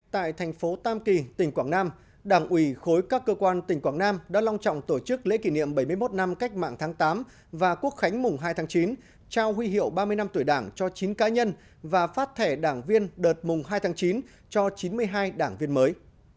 tại thành phố tam kỳ tỉnh quảng nam đảng ủy khối các cơ quan tỉnh quảng nam đã long trọng tổ chức lễ kỷ niệm bảy mươi một năm cách mạng tháng tám và quốc khánh mùng hai tháng chín trao huy hiệu ba mươi năm tuổi đảng cho chín cá nhân và phát thẻ đảng viên đợt mùng hai tháng chín cho chín mươi hai đảng viên mới